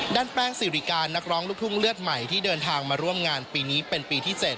ด้านแป้งสิริการนักร้องลูกทุ่งเลือดใหม่ที่เดินทางมาร่วมงานปีนี้เป็นปีที่๗